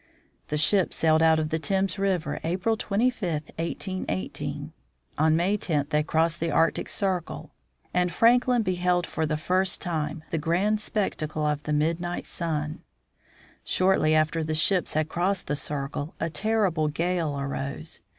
The ships sailed out of the Thames river April 25, 1818. On May 10 they crossed the Arctic circle, and Franklin SIR JOHN FRANKLIN II beheld for the first time the grand spectacle of the midnight sun. Shortly after the ships had crossed the circle, a terrible gale arose.